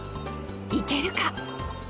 いけるか？